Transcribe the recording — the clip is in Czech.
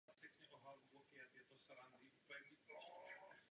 A to může udělat pouze Evropská komise.